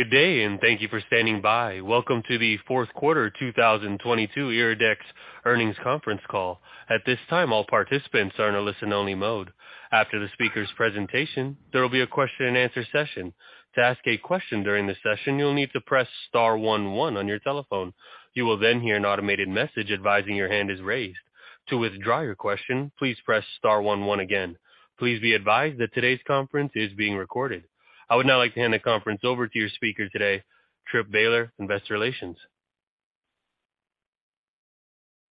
Good day, and thank you for standing by. Welcome to the Q4 2022 IRIDEX Earnings Conference Call. At this time, all participants are in a listen-only mode. After the speaker's presentation, there will be a question-and-answer session. To ask a question during the session, you'll need to press star 11 on your telephone. You will then hear an automated message advising your hand is raised. To withdraw your question, please press star 11 again. Please be advised that today's conference is being recorded. I would now like to hand the conference over to your speaker today, Tripp Bailey Investor Relations.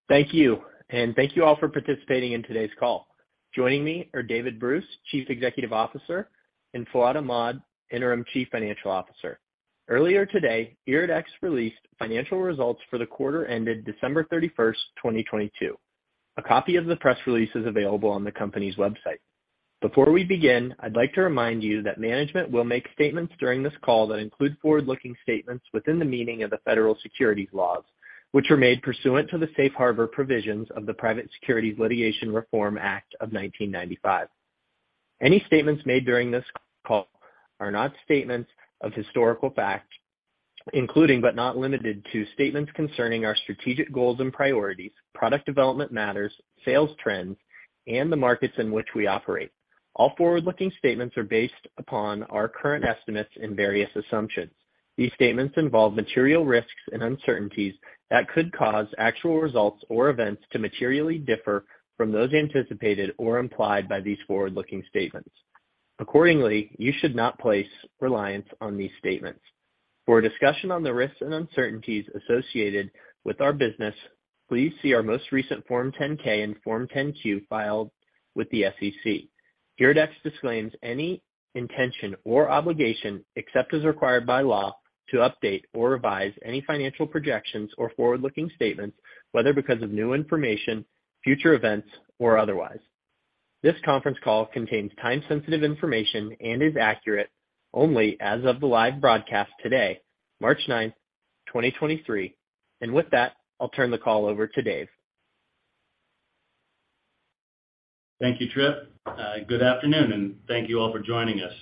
Thank you. Thank you all for participating in today's call. Joining me are David Bruce, CEO, and Fuad Ahmad, Interim CFO. Earlier today, IRIDEX released financial results for the quarter ended December 31st, 2022. A copy of the press release is available on the company's website. Before we begin, I'd like to remind you that management will make statements during this call that include forward-looking statements within the meaning of the federal securities laws, which are made pursuant to the Safe Harbor provisions of the Private Securities Litigation Reform Act of 1995. Any statements made during this call are not statements of historical fact, including but not limited to statements concerning our strategic goals and priorities, product development matters, sales trends, and the markets in which we operate. All forward-looking statements are based upon our current estimates and various assumptions. These statements involve material risks and uncertainties that could cause actual results or events to materially differ from those anticipated or implied by these forward-looking statements. Accordingly, you should not place reliance on these statements. For a discussion on the risks and uncertainties associated with our business, please see our most recent Form 10-K and Form 10-Q filed with the SEC. IRIDEX disclaims any intention or obligation, except as required by law, to update or revise any financial projections or forward-looking statements, whether because of new information, future events, or otherwise. This conference call contains time-sensitive information and is accurate only as of the live broadcast today, March 9th, 2023. With that, I'll turn the call over to Dave. Thank you, Tripp. Good afternoon, and thank you all for joining us.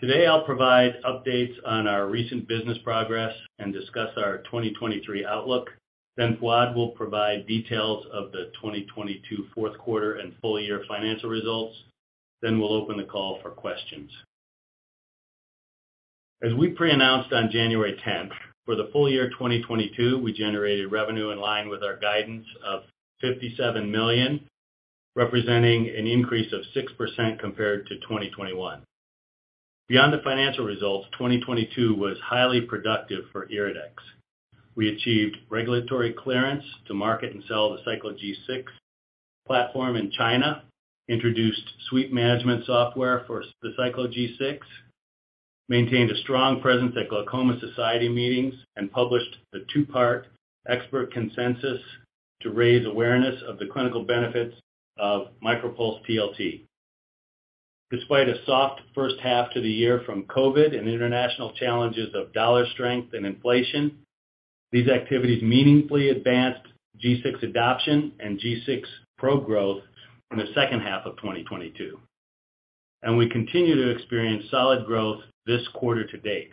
Today, I'll provide updates on our recent business progress and discuss our 2023 outlook. Fuad will provide details of the 2022 Q4 and full-year financial results. We'll open the call for questions. As we pre-announced on January 10, for the full year 2022, we generated revenue in line with our guidance of $57 million, representing an increase of 6% compared to 2021. Beyond the financial results, 2022 was highly productive for IRIDEX. We achieved regulatory clearance to market and sell the Cyclo G6 platform in China, introduced Sweep Management Software for the Cyclo G6, maintained a strong presence at Glaucoma Society meetings, and published the two-part expert consensus to raise awareness of the clinical benefits of MicroPulse TLT. Despite a soft first half to the year from COVID-19 and international challenges of dollar strength and inflation, these activities meaningfully advanced G6 adoption and G6 probe growth in the second half of 2022, and we continue to experience solid growth this quarter to date.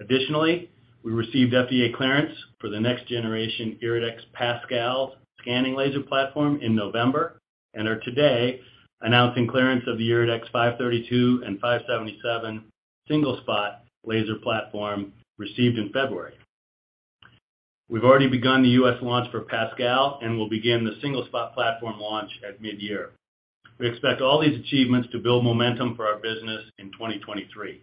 We received FDA clearance for the next generation IRIDEX PASCAL scanning laser platform in November and are today announcing clearance of the IRIDEX 532 and 577 single-spot laser platform received in February. We've already begun the U.S. launch for PASCAL and will begin the single-spot platform launch at mid-year. We expect all these achievements to build momentum for our business in 2023.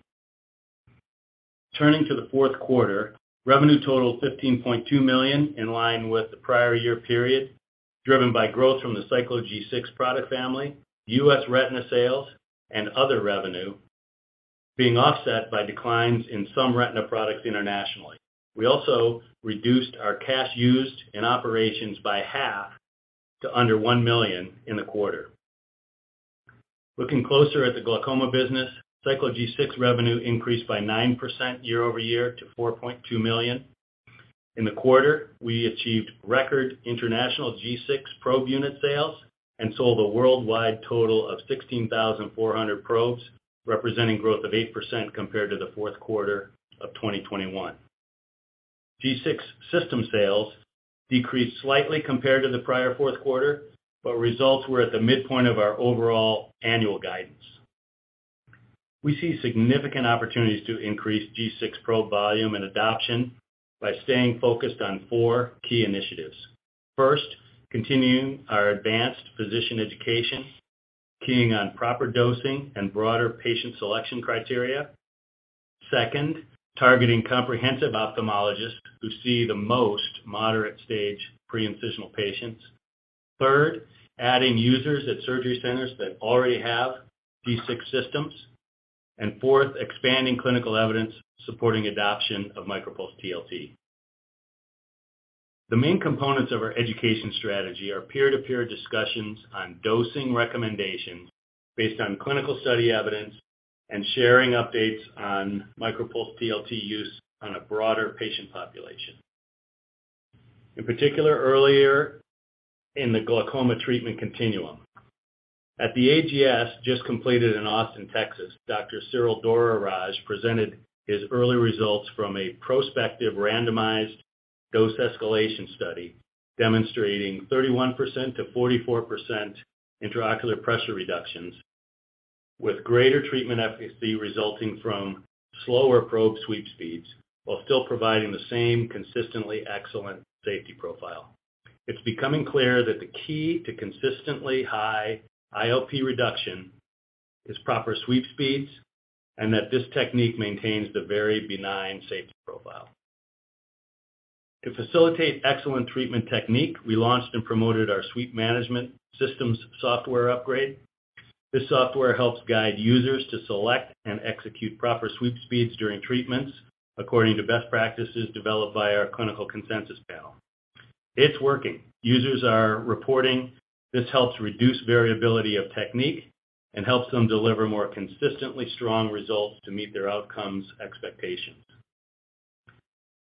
Turning to the Q4, revenue totaled $15.2 million, in line with the prior year period, driven by growth from the Cyclo G6 product family, U.S. retina sales, and other revenue being offset by declines in some retina products internationally. We also reduced our cash used in operations by half to under $1 million in the quarter. Looking closer at the glaucoma business, Cyclo G6 revenue increased by 9% year-over-year to $4.2 million. In the quarter, we achieved record international G6 probe unit sales and sold a worldwide total of 16,400 probes, representing growth of 8% compared to the Q4 of 2021. G6 system sales decreased slightly compared to the prior Q4, but results were at the midpoint of our overall annual guidance. We see significant opportunities to increase G6 probe volume and adoption by staying focused on four key initiatives. First, continuing our advanced physician education, keying on proper dosing and broader patient selection criteria. Second, targeting comprehensive ophthalmologists who see the most moderate stage preincisional patients. Third, adding users at surgery centers that already have G6 systems. Fourth, expanding clinical evidence supporting adoption of MicroPulse TLT. The main components of our education strategy are peer-to-peer discussions on dosing recommendations based on clinical study evidence and sharing updates on MicroPulse TLT use on a broader patient population. Earlier in the glaucoma treatment continuum. At the AGS, just completed in Austin, Texas, Dr. Syril Dorairaj presented his early results from a prospective randomized dose escalation study demonstrating 31%-44% intraocular pressure reductions with greater treatment efficacy resulting from slower probe sweep speeds while still providing the same consistently excellent safety profile. It's becoming clear that the key to consistently high IOP reduction is proper sweep speeds, and that this technique maintains the very benign safety profile. To facilitate excellent treatment technique, we launched and promoted our Sweep Management Software systems software upgrade. This software helps guide users to select and execute proper sweep speeds during treatments according to best practices developed by our clinical consensus panel. It's working. Users are reporting this helps reduce variability of technique and helps them deliver more consistently strong results to meet their outcomes expectations.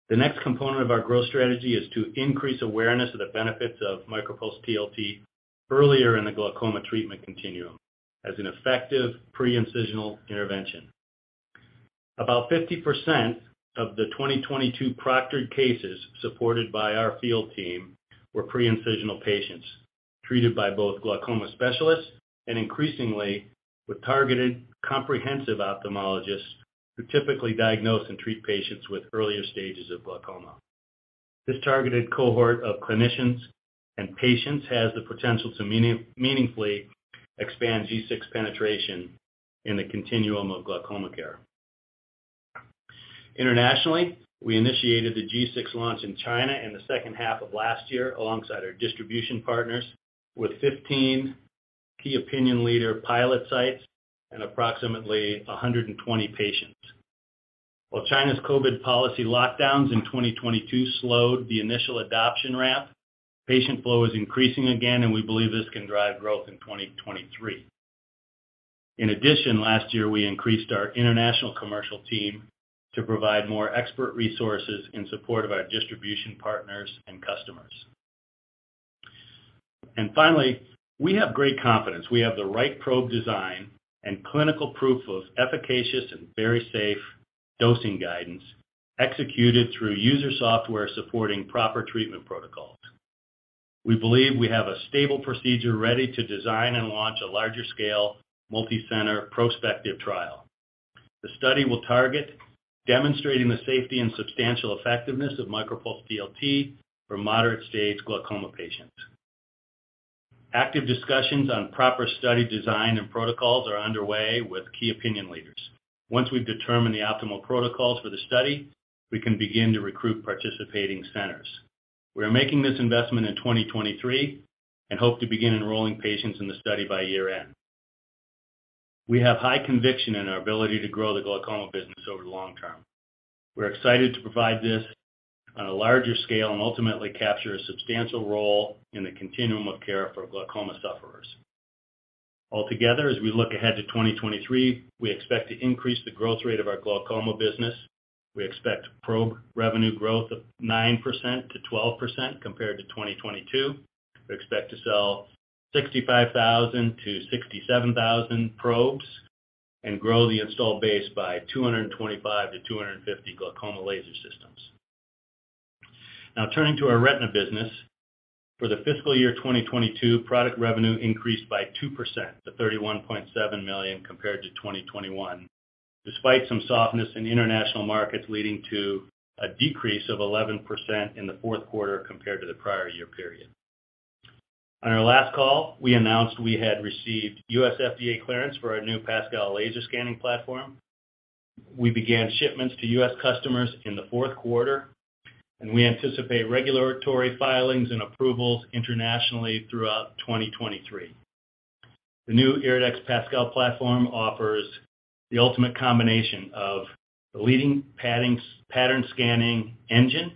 The next component of our growth strategy is to increase awareness of the benefits of MicroPulse TLT earlier in the glaucoma treatment continuum as an effective pre-incisional intervention. About 50% of the 2022 proctored cases supported by our field team were pre-incisional patients treated by both glaucoma specialists and increasingly with targeted comprehensive ophthalmologists who typically diagnose and treat patients with earlier stages of glaucoma. This targeted cohort of clinicians and patients has the potential to meaningfully expand G6 penetration in the continuum of glaucoma care. Internationally, we initiated the G6 launch in China in the second half of last year alongside our distribution partners with 15 key opinion leader pilot sites and approximately 120 patients. While China's COVID policy lockdowns in 2022 slowed the initial adoption ramp, patient flow is increasing again, we believe this can drive growth in 2023. Last year, we increased our international commercial team to provide more expert resources in support of our distribution partners and customers. Finally, we have great confidence. We have the right probe design and clinical proof of efficacious and very safe dosing guidance executed through user software supporting proper treatment protocols. We believe we have a stable procedure ready to design and launch a larger scale multi-center prospective trial. The study will target demonstrating the safety and substantial effectiveness of MicroPulse TLT for moderate stage glaucoma patients. Active discussions on proper study design and protocols are underway with key opinion leaders. Once we've determined the optimal protocols for the study, we can begin to recruit participating centers. We are making this investment in 2023 and hope to begin enrolling patients in the study by year-end. We have high conviction in our ability to grow the glaucoma business over the long term. We're excited to provide this on a larger scale and ultimately capture a substantial role in the continuum of care for glaucoma sufferers. Altogether, as we look ahead to 2023, we expect to increase the growth rate of our glaucoma business. We expect probe revenue growth of 9%-12% compared to 2022. We expect to sell 65,000-67,000 probes and grow the installed base by 225-250 glaucoma laser systems. Now turning to our retina business. For the fiscal year 2022, product revenue increased by 2% to $31.7 million compared to 2021, despite some softness in the international markets leading to a decrease of 11% in the Q4 compared to the prior year period. On our last call, we announced we had received U.S. FDA clearance for our new PASCAL laser scanning platform. We began shipments to U.S. customers in the Q4, and we anticipate regulatory filings and approvals internationally throughout 2023. The new IRIDEX PASCAL platform offers the ultimate combination of the leading pattern scanning engine,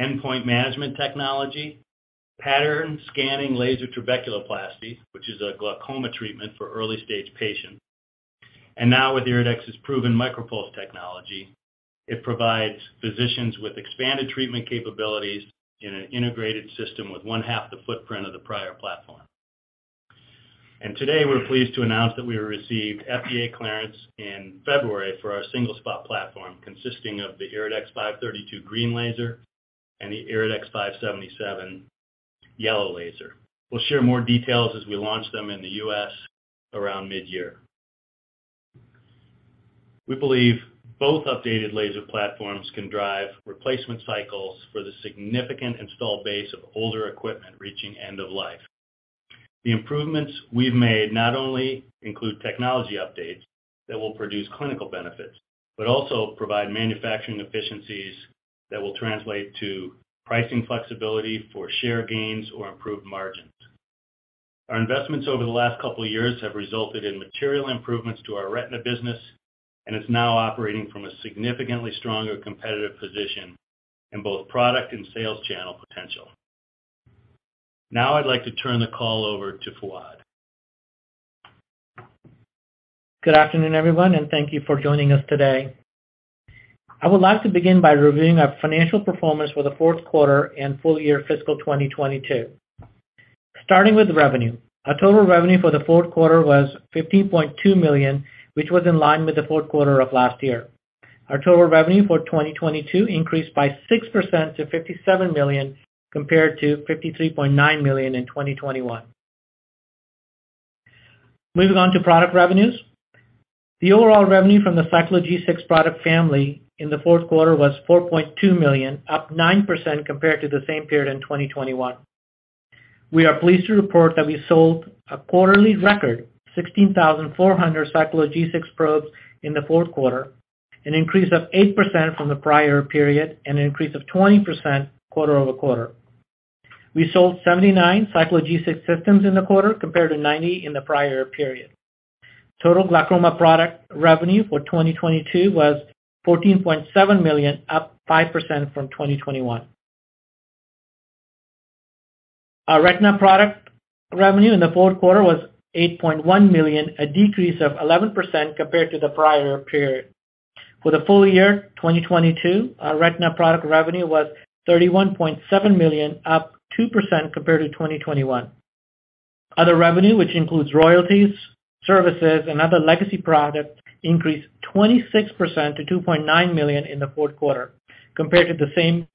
Endpoint Management Technology, Pattern Scanning Laser Trabeculoplasty, which is a glaucoma treatment for early stage patients. Now with IRIDEX's proven MicroPulse technology, it provides physicians with expanded treatment capabilities in an integrated system with one half the footprint of the prior platform. Today, we're pleased to announce that we received FDA clearance in February for our single spot platform consisting of the IRIDEX 532 green laser and the IRIDEX 577 yellow laser. We'll share more details as we launch them in the U.S. around mid-year. We believe both updated laser platforms can drive replacement cycles for the significant installed base of older equipment reaching end of life. The improvements we've made not only include technology updates that will produce clinical benefits, but also provide manufacturing efficiencies that will translate to pricing flexibility for share gains or improved margins. Our investments over the last couple of years have resulted in material improvements to our retina business, and it's now operating from a significantly stronger competitive position in both product and sales channel potential. Now I'd like to turn the call over to Fuad. Good afternoon, everyone, and thank you for joining us today. I would like to begin by reviewing our financial performance for the Q4 and full year fiscal 2022. Starting with revenue. Our total revenue for the Q4 was $50.2 million, which was in line with the Q4 of last year. Our total revenue for 2022 increased by 6% to $57 million, compared to $53.9 million in 2021. Moving on to product revenues. The overall revenue from the Cyclo G6 product family in the Q4 was $4.2 million, up 9% compared to the same period in 2021. We are pleased to report that we sold a quarterly record 16,400 Cyclo G6 probes in the Q4, an increase of 8% from the prior period, and an increase of 20% quarter-over-quarter. We sold 79 Cyclo G6 systems in the quarter compared to 90 in the prior period. Total glaucoma product revenue for 2022 was $14.7 million, up 5% from 2021. Our retina product revenue in the Q4 was $8.1 million, a decrease of 11% compared to the prior period. For the full year 2022, our retina product revenue was $31.7 million, up 2% compared to 2021. Other revenue, which includes royalties, services and other legacy products, increased 26% to $2.9 million in the Q4, compared to the same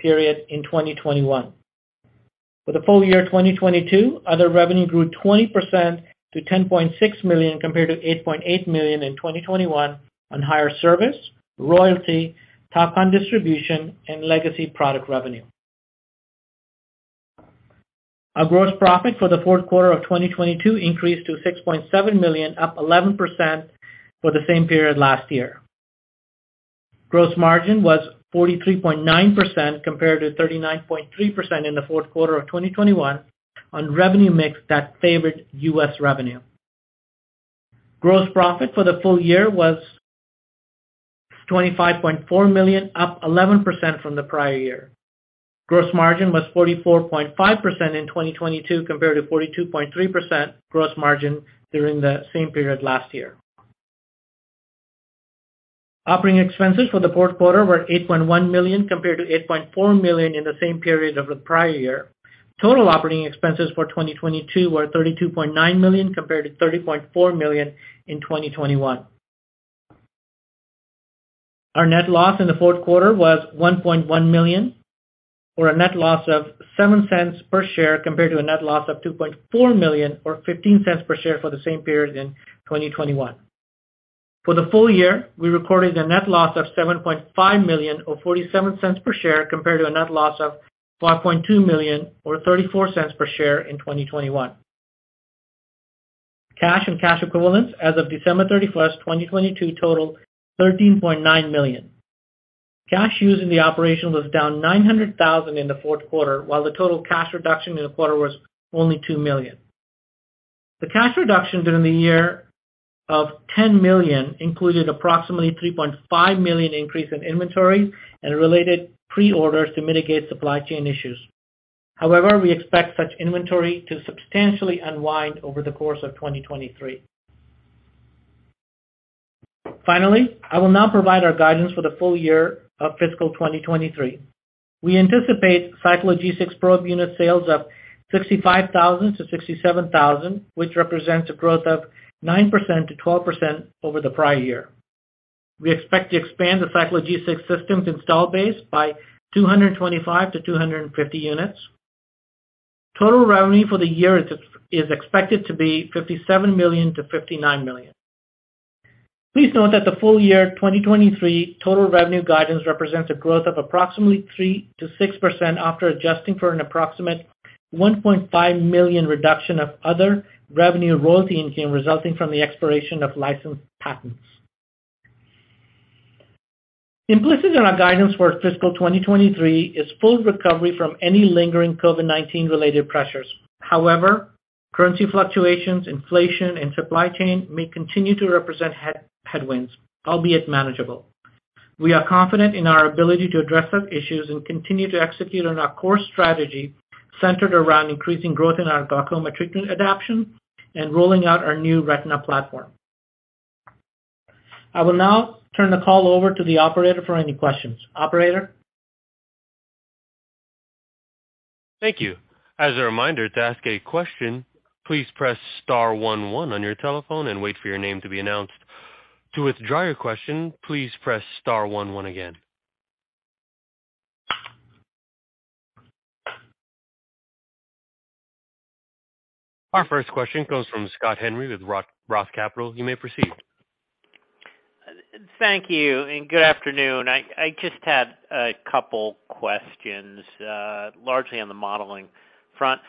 period in 2021. For the full year 2022, other revenue grew 20% to $10.6 million compared to $8.8 million in 2021 on higher service, royalty, top-line distribution and legacy product revenue. Our gross profit for the Q4 of 2022 increased to $6.7 million, up 11% for the same period last year. Gross margin was 43.9% compared to 39.3% in the Q4 of 2021 on revenue mix that favored U.S. revenue. Gross profit for the full year was $25.4 million, up 11% from the prior year. Gross margin was 44.5% in 2022 compared to 42.3% gross margin during the same period last year. Operating expenses for the Q4 were $8.1 million compared to $8.4 million in the same period of the prior year. Total operating expenses for 2022 were $32.9 million compared to $30.4 million in 2021. Our net loss in the Q4 was $1.1 million, or a net loss of $0.07 per share compared to a net loss of $2.4 million or $0.15 per share for the same period in 2021. For the full year, we recorded a net loss of $7.5 million or $0.47 per share compared to a net loss of $4.2 million or $0.34 per share in 2021. Cash and cash equivalents as of December 31st, 2022 totaled $13.9 million. Cash used in the operation was down $900,000 in the Q4 while the total cash reduction in the quarter was only $2 million. The cash reduction during the year of $10 million included approximately $3.5 million increase in inventory and related pre-orders to mitigate supply chain issues. We expect such inventory to substantially unwind over the course of 2023. I will now provide our guidance for the full year of fiscal 2023. We anticipate Cyclo G6 probe unit sales of 65,000-67,000, which represents a growth of 9%-12% over the prior year. We expect to expand the Cyclo G6 systems install base by 225-250 units. Total revenue for the year is expected to be $57 million-$59 million. Please note that the full year 2023 total revenue guidance represents a growth of approximately 3%-6% after adjusting for an approximate $1.5 million reduction of other revenue royalty income resulting from the expiration of licensed patents. Implicit in our guidance for fiscal 2023 is full recovery from any lingering COVID-19 related pressures. Currency fluctuations, inflation and supply chain may continue to represent headwinds, albeit manageable. We are confident in our ability to address such issues and continue to execute on our core strategy centered around increasing growth in our glaucoma treatment adoption and rolling out our new retina platform. I will now turn the call over to the operator for any questions. Operator? Thank you. As a reminder, to ask a question, please press star 11 on your telephone and wait for your name to be announced. To withdraw your question, please press star 11 again. Our first question comes from Scott Henry with ROTH Capital. You may proceed. Thank you. Good afternoon. I just had a couple questions, largely on the modeling front.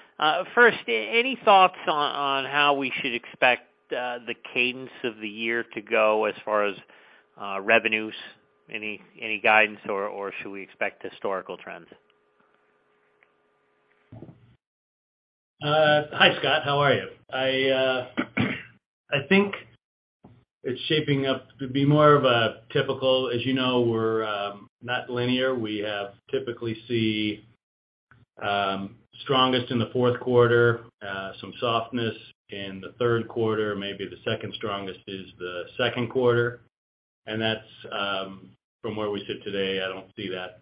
First, any thoughts on how we should expect the cadence of the year to go as far as revenues? Any guidance or should we expect historical trends? Hi Scott, how are you? I think it's shaping up to be more of a typical. As you know, we're not linear. We have typically see. Strongest in the Q4, some softness in the Q3, maybe the second strongest is the Q2. That's from where we sit today, I don't see that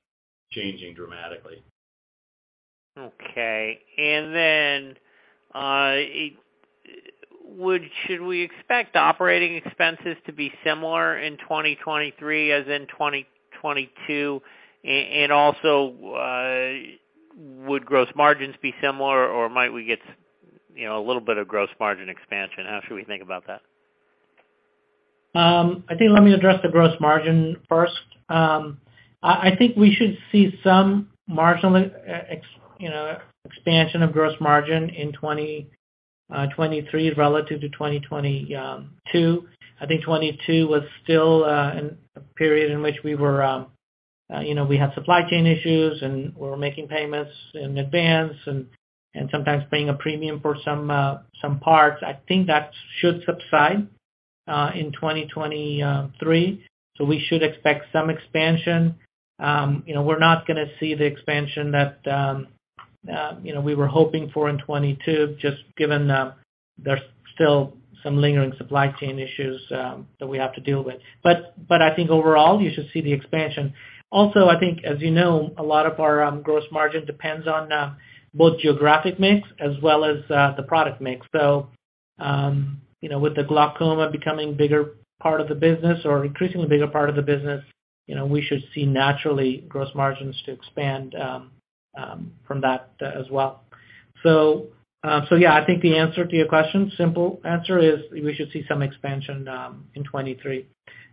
changing dramatically. Okay. Should we expect operating expenses to be similar in 2023 as in 2022? Would gross margins be similar, or might we get, you know, a little bit of gross margin expansion? How should we think about that? I think let me address the gross margin first. I think we should see some marginal, you know, expansion of gross margin in 2023 relative to 2022. I think 2022 was still a period in which we were, you know, we had supply chain issues, and we were making payments in advance and sometimes paying a premium for some parts. I think that should subside in 2023. We should expect some expansion. You know, we're not gonna see the expansion that, you know, we were hoping for in 2022, just given there's still some lingering supply chain issues that we have to deal with. I think overall, you should see the expansion. I think as you know, a lot of our gross margin depends on both geographic mix as well as the product mix. You know, with the glaucoma becoming bigger part of the business or increasingly bigger part of the business, you know, we should see naturally gross margins to expand from that as well. Yeah, I think the answer to your question, simple answer is we should see some expansion in 23.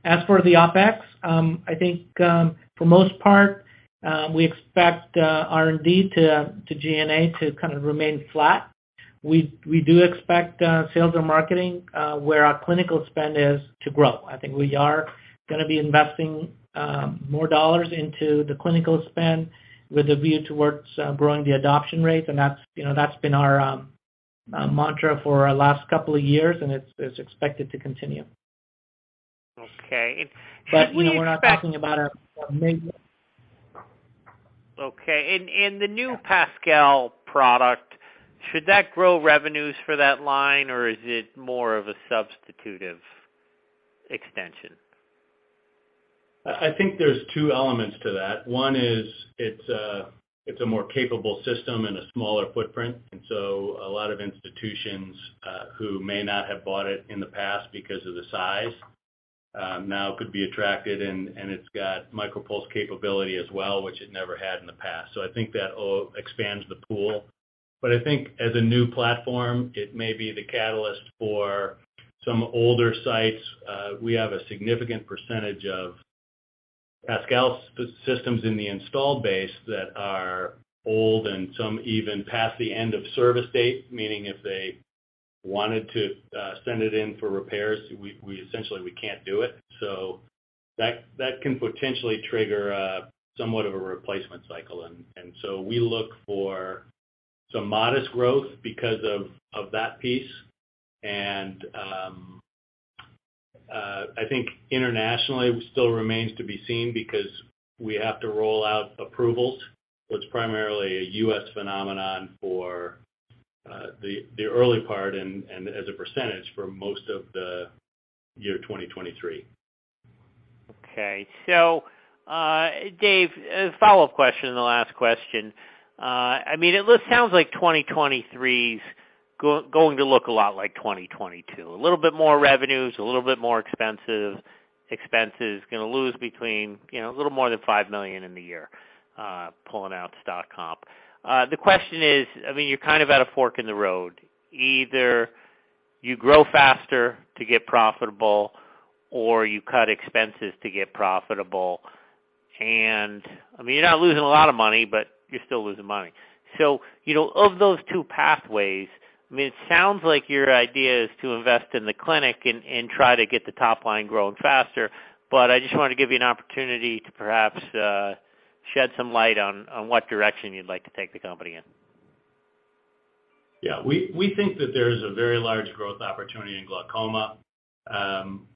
As for the OpEx, I think for most part, we expect R&D to G&A to kind of remain flat. We do expect sales and marketing, where our clinical spend is to grow. I think we are going to be investing, more dollars into the clinical spend with a view towards, growing the adoption rate, and that's, you know, that's been our, mantra for our last couple of years, and it's expected to continue. Okay. should we expect- you know, we're not talking about a major- Okay. In the new PASCAL product, should that grow revenues for that line, or is it more of a substitutive extension? I think there's two elements to that. One is it's a more capable system and a smaller footprint. A lot of institutions who may not have bought it in the past because of the size now could be attracted and it's got MicroPulse capability as well, which it never had in the past. I think that all expands the pool. I think as a new platform, it may be the catalyst for some older sites. We have a significant percentage of PASCAL systems in the installed base that are old and some even past the end of service date, meaning if they wanted to send it in for repairs, we essentially we can't do it. That can potentially trigger somewhat of a replacement cycle. We look for some modest growth because of that piece. I think internationally still remains to be seen because we have to roll out approvals. It's primarily a U.S. phenomenon for the early part and as a percentage for most of the year 2023. Okay. Dave, a follow-up question and the last question. I mean, it sounds like 2023's going to look a lot like 2022. A little bit more revenues, a little bit more expenses gonna lose between, you know, a little more than $5 million in the year, pulling out stock comp. The question is, I mean, you're kind of at a fork in the road. Either you grow faster to get profitable or you cut expenses to get profitable. I mean, you're not losing a lot of money, but you're still losing money. You know, of those two pathways, I mean, it sounds like your idea is to invest in the clinic and try to get the top line growing faster. I just wanna give you an opportunity to perhaps, shed some light on what direction you'd like to take the company in. We think that there is a very large growth opportunity in glaucoma.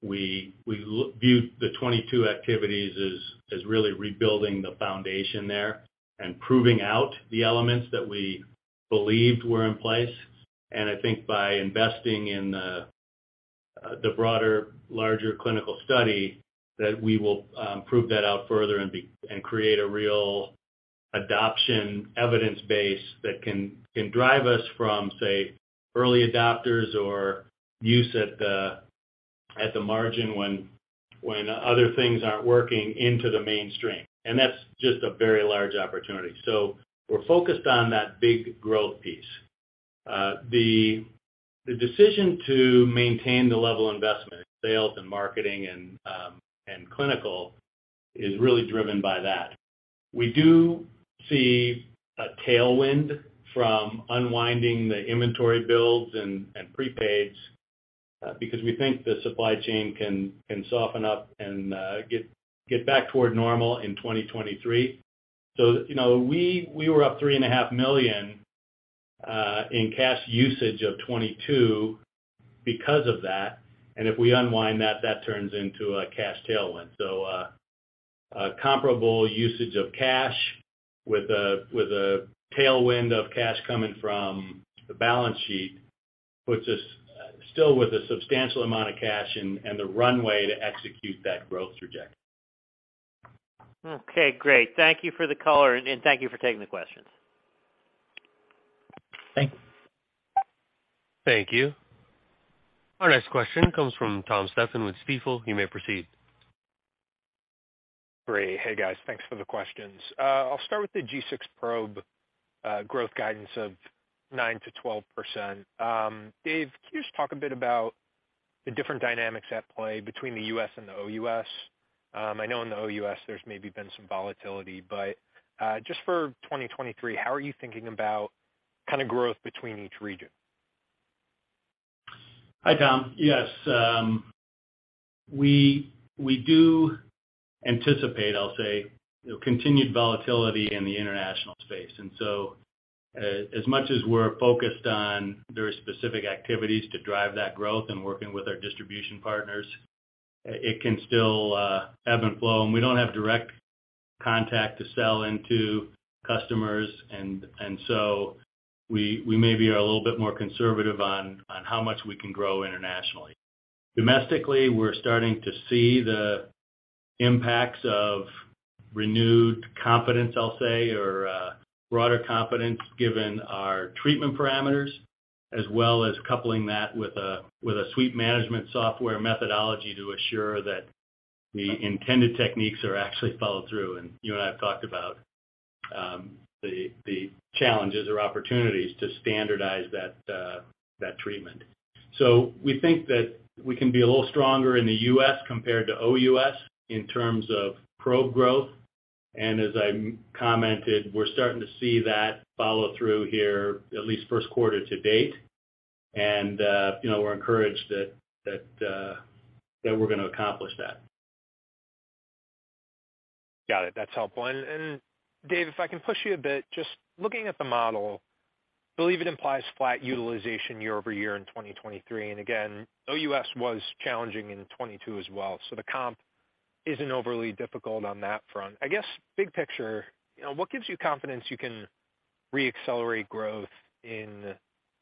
We view the 22 activities as really rebuilding the foundation there and proving out the elements that we believed were in place. I think by investing in the broader, larger clinical study, that we will prove that out further and create a real adoption evidence base that can drive us from, say, early adopters or use at the margin when other things aren't working into the mainstream. That's just a very large opportunity. We're focused on that big growth piece. The decision to maintain the level of investment in sales and marketing and clinical is really driven by that. We do see a tailwind from unwinding the inventory builds and prepaids, because we think the supply chain can soften up and get back toward normal in 2023. You know, we were up $3.5 million in cash usage of 2022 because of that, and if we unwind that turns into a cash tailwind. A comparable usage of cash with a, with a tailwind of cash coming from the balance sheet puts us still with a substantial amount of cash and the runway to execute that growth trajectory. Okay, great. Thank you for the color, and thank you for taking the questions. Thank you. Thank you. Our next question comes from Tom Stephan with Stifel. You may proceed. Great. Hey, guys. Thanks for the questions. I'll start with the G6 probe growth guidance of 9%-12%. Dave, can you just talk a bit about the different dynamics at play between the U.S. and the OUS? I know in the OUS there's maybe been some volatility, but just for 2023, how are you thinking about kinda growth between each region? Hi, Tom. Yes. We do anticipate, I'll say, continued volatility in the international space. As much as we're focused on very specific activities to drive that growth and working with our distribution partners, it can still ebb and flow. We don't have direct contact to sell into customers and so we maybe are a little bit more conservative on how much we can grow internationally. Domestically, we're starting to see the impacts of renewed confidence, I'll say, or broader confidence given our treatment parameters, as well as coupling that with a Sweep Management Software methodology to assure that the intended techniques are actually followed through. You and I have talked about the challenges or opportunities to standardize that treatment. We think that we can be a little stronger in the U.S. compared to OUS in terms of probe growth. As I commented, we're starting to see that follow through here at least Q1 to date. You know, we're encouraged that, that we're gonna accomplish that. Got it. That's helpful. Dave, if I can push you a bit, just looking at the model, believe it implies flat utilization year-over-year in 2023. Again, OUS was challenging in 2022 as well. The comp isn't overly difficult on that front. I guess big picture, you know, what gives you confidence you can reaccelerate growth in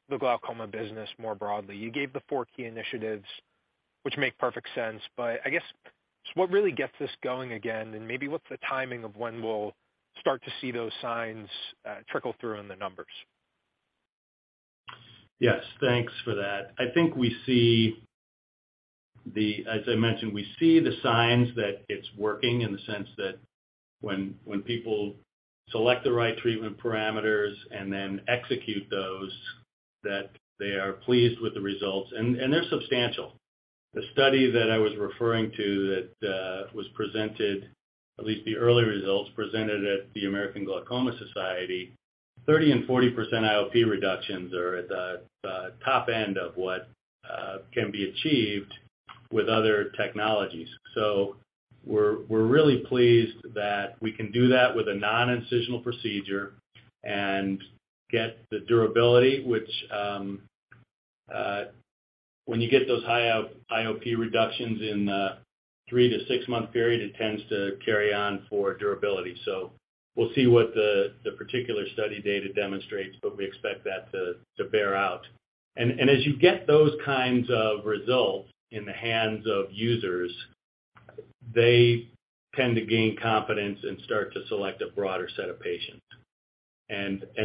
the glaucoma business more broadly? You gave the four key initiatives, which make perfect sense, but I guess just what really gets this going again, and maybe what's the timing of when we'll start to see those signs trickle through in the numbers? Thanks for that. I think we see the signs that it's working in the sense that when people select the right treatment parameters and then execute those, that they are pleased with the results, and they're substantial. The study that I was referring to that was presented, at least the early results presented at the American Glaucoma Society, 30% and 40% IOP reductions are at the top end of what can be achieved with other technologies. We're really pleased that we can do that with a non-incisional procedure and get the durability, which when you get those high IOP reductions in a 3-6 month period, it tends to carry on for durability. We'll see what the particular study data demonstrates, but we expect that to bear out. As you get those kinds of results in the hands of users, they tend to gain confidence and start to select a broader set of patients.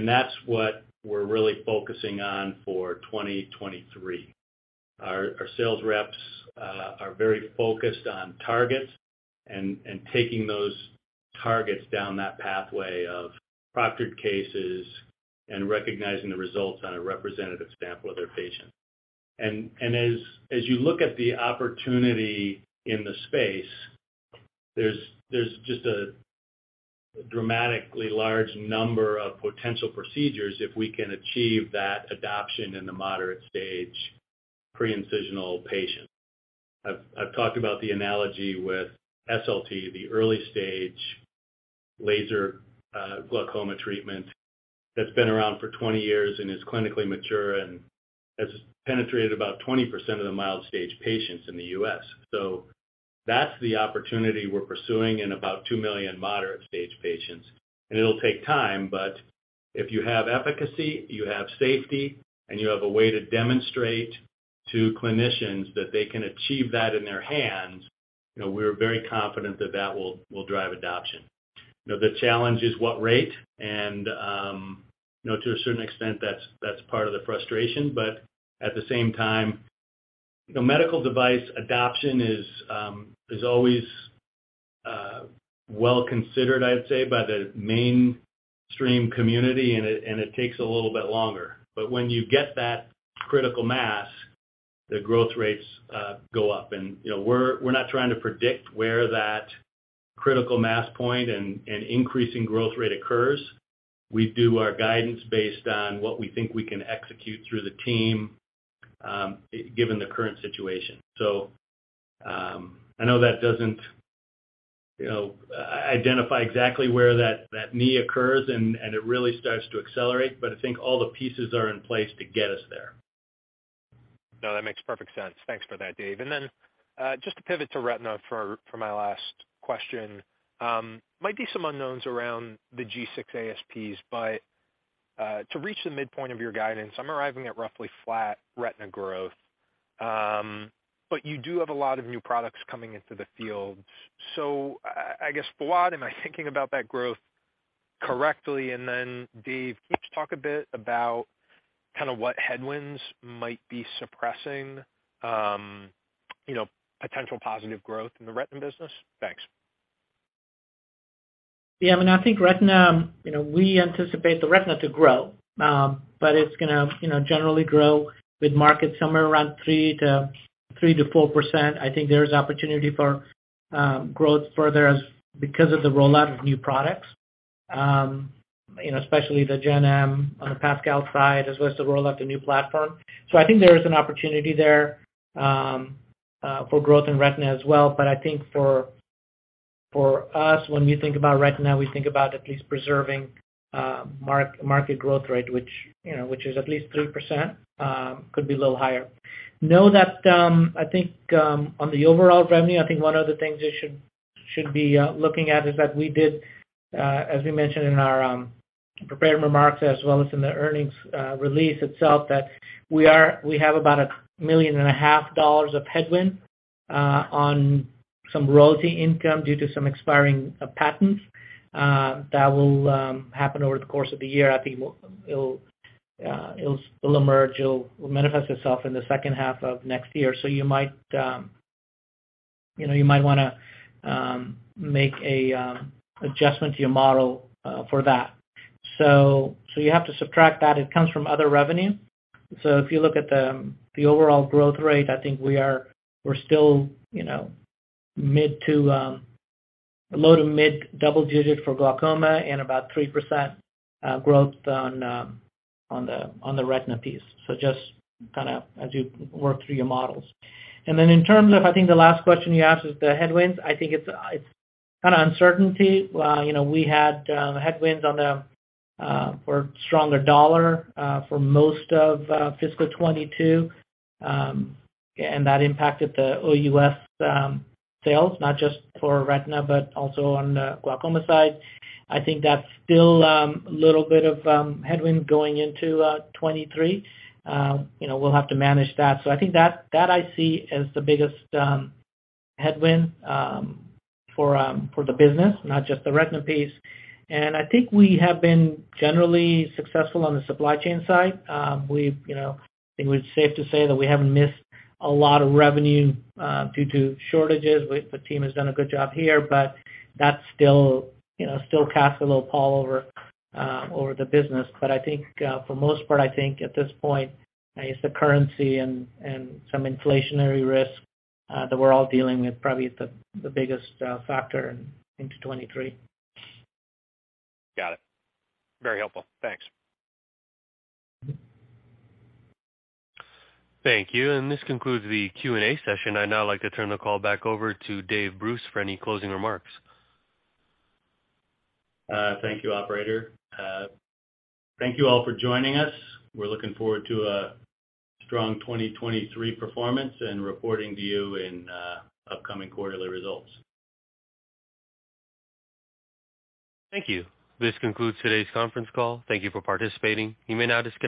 That's what we're really focusing on for 2023. Our sales reps are very focused on targets and taking those targets down that pathway of proctored cases and recognizing the results on a representative sample of their patients. As you look at the opportunity in the space, there's just a dramatically large number of potential procedures if we can achieve that adoption in the moderate stage preincisional patients. I've talked about the analogy with SLT, the early stage laser glaucoma treatment that's been around for 20 years and is clinically mature and has penetrated about 20% of the mild stage patients in the U.S. That's the opportunity we're pursuing in about 2 million moderate stage patients. It'll take time, but if you have efficacy, you have safety, and you have a way to demonstrate to clinicians that they can achieve that in their hands, you know, we're very confident that will drive adoption. You know, the challenge is what rate, you know, to a certain extent that's part of the frustration. At the same time, you know, medical device adoption is always well considered, I'd say, by the mainstream community, and it, and it takes a little bit longer. When you get that critical mass, the growth rates go up. You know, we're not trying to predict where that critical mass point and increasing growth rate occurs. We do our guidance based on what we think we can execute through the team, given the current situation. I know that doesn't you know identify exactly where that knee occurs and it really starts to accelerate. I think all the pieces are in place to get us there. No, that makes perfect sense. Thanks for that, Dave. Just to pivot to retina for my last question. Might be some unknowns around the G6 ASPs, but to reach the midpoint of your guidance, I'm arriving at roughly flat retina growth. But you do have a lot of new products coming into the field. I guess, Fuad, am I thinking about that growth correctly? Dave, can you just talk a bit about kind of what headwinds might be suppressing, you know, potential positive growth in the retina business? Thanks. I mean, I think retina, you know, we anticipate the retina to grow, but it's gonna, you know, generally grow with markets somewhere around 3%-4%. I think there's opportunity for growth further because of the rollout of new products, you know, especially the Gen M on the PASCAL side, as well as the rollout of the new platform. I think there is an opportunity there for growth in retina as well. I think for us, when we think about retina, we think about at least preserving market growth rate which, you know, is at least 3%, could be a little higher. Know that, I think, on the overall revenue, I think one of the things you should be, looking at is that we did, as we mentioned in our, prepared remarks as well as in the earnings, release itself, that we have about $1.5 million of headwind, on some royalty income due to some expiring, patents, that will, happen over the course of the year. I think we'll, it'll, it'll emerge, it'll manifest itself in the second half of next year. You might, you know, you might wanna, make a, adjustment to your model, for that. You have to subtract that. It comes from other revenue. If you look at the overall growth rate, I think we're still, you know, mid to low to mid double digit for glaucoma and about 3% growth on the retina piece. Just kinda as you work through your models. In terms of, I think the last question you asked is the headwinds, I think it's kinda uncertainty. you know, we had headwinds on the for stronger dollar for most of fiscal 2022. That impacted the OUS sales, not just for retina, but also on the glaucoma side. I think that's still a little bit of headwind going into 2023. you know, we'll have to manage that. I think that I see as the biggest headwind for the business, not just the retina piece. We have been generally successful on the supply chain side. We've, you know, I think it's safe to say that we haven't missed a lot of revenue due to shortages. The team has done a good job here, but that still, you know, still casts a little pall over over the business. I think for most part, I think at this point, I guess the currency and some inflationary risk that we're all dealing with probably is the biggest factor into 2023. Got it. Very helpful. Thanks. Mm-hmm. Thank you. This concludes the Q&A session. I'd now like to turn the call back over to Dave Bruce for any closing remarks. Thank you, operator. Thank you all for joining us. We're looking forward to a strong 2023 performance and reporting to you in upcoming quarterly results. Thank you. This concludes today's conference call. Thank you for participating. You may now disconnect.